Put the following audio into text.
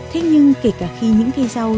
thế nhưng kể cả khi những cây rau